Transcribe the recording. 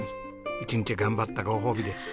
一日頑張ったご褒美です。